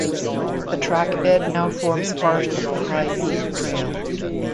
The trackbed now forms part of the High Peak Trail.